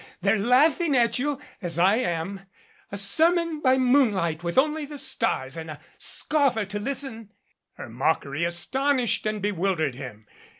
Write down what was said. They're laughing at you as I am. A sermon by moonlight with only the stars and a scoffer to listen !" Her mockery astonished and bewildered him.